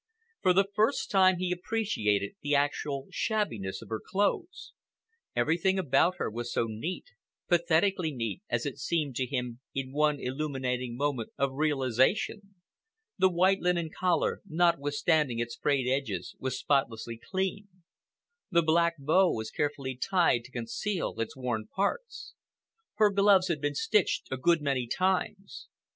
For the first time he appreciated the actual shabbiness of her clothes. Everything about her was so neat—pathetically neat, as it seemed to him in one illuminating moment of realization. The white linen collar, notwithstanding its frayed edges, was spotlessly clean. The black bow was carefully tied to conceal its worn parts. Her gloves had been stitched a good many times.